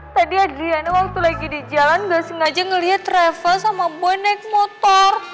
tadi adriana waktu lagi di jalan gak sengaja ngelihat reva sama boy naik motor